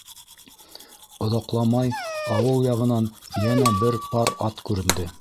Оҙаҡламай ауыл яғынан йәнә бер пар ат күренде.